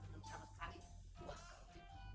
sama sekali wah keren